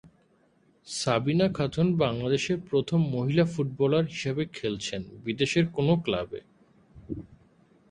সাবিনা খাতুন বাংলাদেশের প্রথম মহিলা ফুটবলার হিসেবে খেলছেন বিদেশের কোনো ক্লাবে।